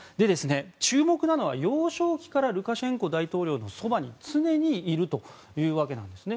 注目なのは、幼少期からルカシェンコ大統領のそばに常にいるというわけなんですね。